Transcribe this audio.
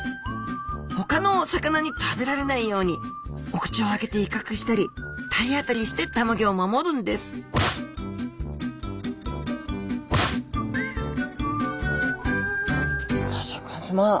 ほかのお魚に食べられないようにお口を開けて威嚇したり体当たりしてたまギョを守るんですさあ